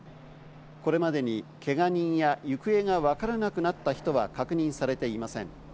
これまでに、けが人や行方がわからなくなった人は確認されていません。